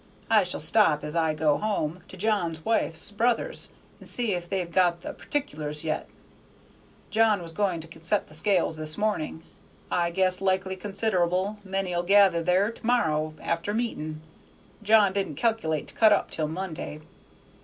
I shall stop, as I go home, to John's wife's brother's and see if they've got the particulars yet; John was goin' to get the scales this morning. I guess likely consider'ble many'll gather there to morrow after meeting. John didn't calc'late to cut up till Monday."